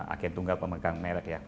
agen tunggal pemegang merek ya